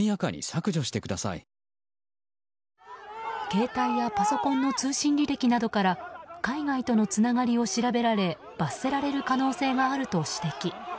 携帯やパソコンの通信履歴などから海外とのつながりを調べられ罰せられる可能性があると指摘。